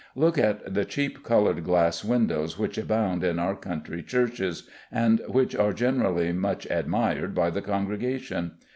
Look at the cheap colored glass windows which abound in our country churches, and which are generally much admired by the congregation.